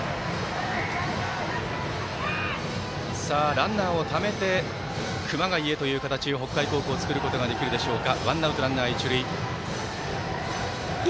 ランナーをためて熊谷へという形を北海高校作ることができるでしょうか。